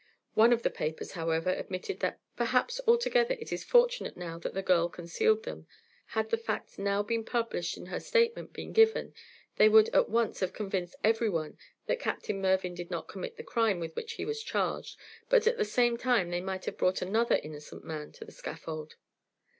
One of the papers, however, admitted that "Perhaps altogether it is fortunate now that the girl concealed them. Had the facts now published in her statement been given, they would at once have convinced every one that Captain Mervyn did not commit the crime with which he was charged, but at the same time they might have brought another innocent man to the scaffold.